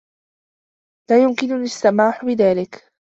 لا يمكنني السماح بذلك.